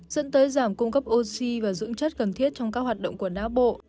dẫn tới giảm cung cấp oxy và dưỡng chất cần thiết trong các hoạt động của não bộ